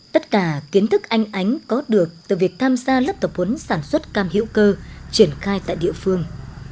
tất cả kiến thức anh ánh có được từ việc tham gia lớp tập huấn sản xuất cam hữu cơ triển khai tại địa phương